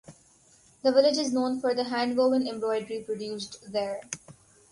The village is known for the hand woven embroidery produced there.